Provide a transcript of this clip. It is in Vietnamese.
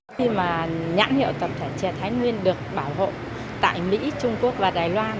khi mà nhãn hiệu tập thể trẻ thái nguyên được bảo hộ tại mỹ trung quốc và đài loan